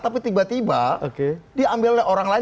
tapi tiba tiba diambil oleh orang lain